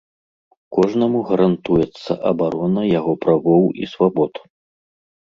Кожнаму гарантуецца абарона яго правоў і свабод.